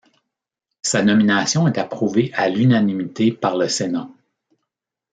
Sa nomination est approuvée à l'unanimité par le Sénat.